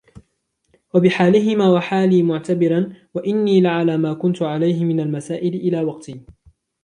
وَبِحَالِهِمَا وَحَالِي مُعْتَبِرًا وَإِنِّي لَعَلَى مَا كُنْت عَلَيْهِ مِنْ الْمَسَائِلِ إلَى وَقْتِي